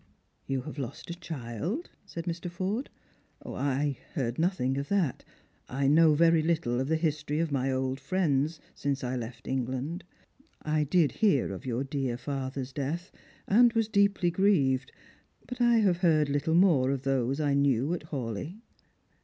" You have lost a child ?" said Mr. Forde. " I heard nothing of that. I know very little of the history of my old friends «ince 314 Strangers mid Pilgrims. I left England. I did hear of your dear father's death, and was deeply grieved, but I have heard little more of those I knew at Hawleigh."